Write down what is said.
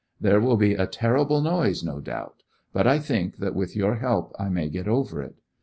There will be a terrible noise, no doubt; but I think that with your help I may get over it.